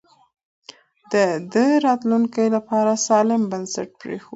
ده د راتلونکي لپاره سالم بنسټ پرېښود.